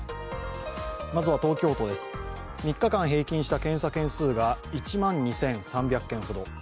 まずは東京都です、３日間平均した検査件数が１万２３００件ほど。